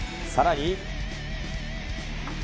さらに。